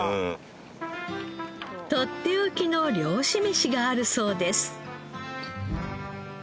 とっておきの漁師飯があるそうです。